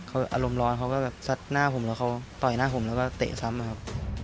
เขาอารมณ์ร้อนเขาก็แบบซัดหน้าผมแล้วเขาต่อยหน้าผมแล้วก็เตะซ้ำอะครับ